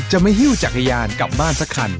จะไม่หิ้วจักรยานกลับบ้านสักคัน